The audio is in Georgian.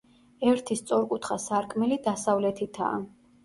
ერთი სწორკუთხა სარკმელი დასავლეთითაა.